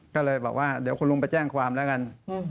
ก็เลยบอกว่าเดี๋ยวคุณลุงไปแจ้งความแล้วกัน